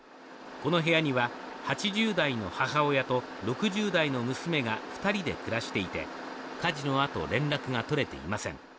この部屋には８０代の母親と６０代の娘が２人で暮らしていて火事のあと連絡が取れていません。